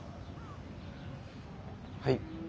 はい。